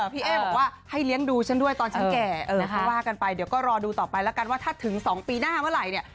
พี่เอ๊บอกว่าให้เลี้ยงดูฉันด้วยตอนฉันแก่ก็ว่ากันไปเดี๋ยวก็รอดูต่อไปแล้วกันว่าถ้าถึง๒ปีหน้าเมื่อไหร่เนี่ย